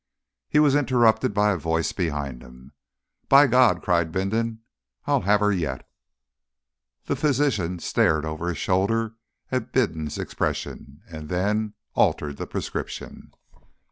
He was interrupted by a voice behind him. "By God!" cried Bindon; "I'll have her yet." The physician stared over his shoulder at Bindon's expression, and then altered the prescription.